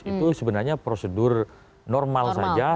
itu sebenarnya prosedur normal saja semua ruu seperti itu